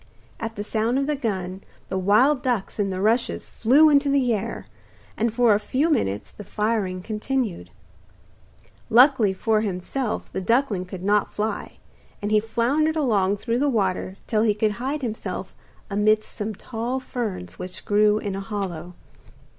At the sound of the gun the wild ducks in the rushes flew into the air, and for a few minutes the firing continued. Luckily for himself the duckling could not fly, and he floundered along through the water till he could hide himself amidst some tall ferns which grew in a hollow.